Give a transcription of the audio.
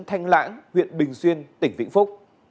thanh lãng huyện bình xuyên tỉnh vĩnh phúc